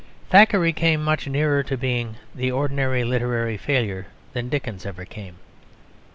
Thackeray came much nearer to being the ordinary literary failure than Dickens ever came.